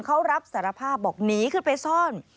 เขารับสารภาพบอกหนีขึ้นไปซ่อน